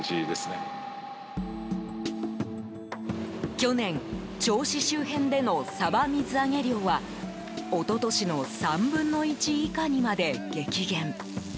去年、銚子周辺でのサバ水揚げ量は一昨年の３分の１以下にまで激減。